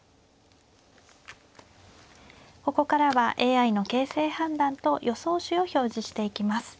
ここからはＡＩの形勢判断と予想手を表示していきます。